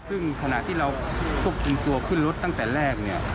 ซึ่งขณะที่เราควบคุมตัวขึ้นรถตั้งแต่แรกเนี่ย